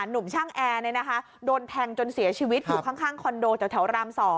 หนุ่มช่างแอร์โดนแทงจนเสียชีวิตอยู่ข้างคอนโดแถวราม๒